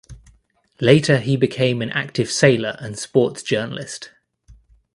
Later he became an active sailor and sports journalist.